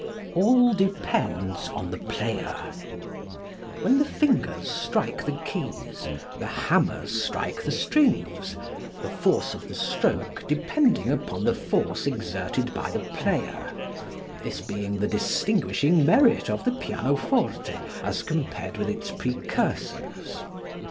All Depends on the Player. When the fingers strike the keys the hammers strike the strings, the force of the stroke depending upon the force exerted by the player, this being the distinguishing merit of the pianoforte as compared with its precursors.